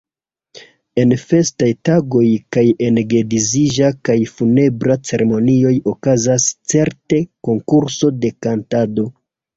En festaj tagoj kaj en geedziĝa kaj funebra ceremonioj okazas certe konkurso de kantado.